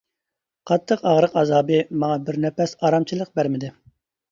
قاتتىق ئاغرىق ئازابى ماڭا بىر نەپەس ئارامچىلىق بەرمىدى.